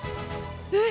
えっ！